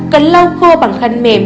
cần lau khô bằng khăn mềm